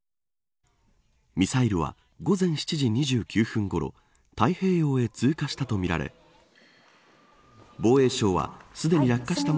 ミサイルは午前７時２９分ごろ太平洋へ通過したとみられ防衛省はすでに落下した。